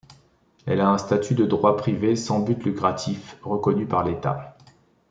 Elle a un statut de droit privé sans but lucratif, reconnu par l'État.